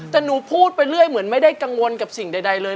แต่หนูพูดไปเรื่อยเหมือนไม่ได้กังวลกับสิ่งใดเลย